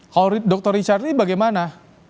kalau dr richard ini bagaimana